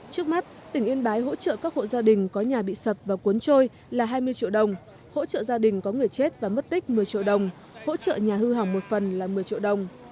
trước mắt tỉnh yên bái hỗ trợ các hộ gia đình có nhà bị sập và cuốn trôi là hai mươi triệu đồng hỗ trợ gia đình có người chết và mất tích một mươi triệu đồng hỗ trợ nhà hư hỏng một phần là một mươi triệu đồng